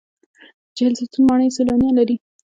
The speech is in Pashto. چهلستون ماڼۍ سیلانیان لري